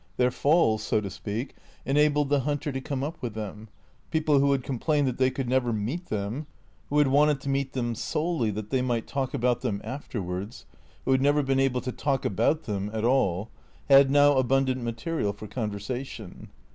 Their fall, so to speak, enabled the hunter to come up with them. People* who had complained that they could never meet them, who had wanted to meet them solely that they might talk about them afterwards, who had never been able to talk about them at all, had now abundant material for conversation.